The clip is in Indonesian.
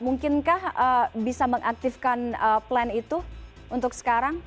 mungkinkah bisa mengaktifkan plan itu untuk sekarang